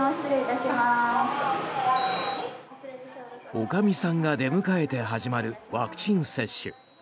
おかみさんが出迎えて始まるワクチン接種。